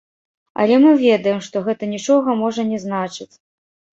Але мы ведаем, што гэта нічога можна не значыць.